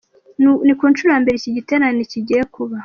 Ni ku nshuro ya mbere iki giterane kigiye kuba.